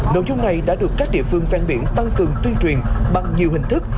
nội dung này đã được các địa phương ven biển tăng cường tuyên truyền bằng nhiều hình thức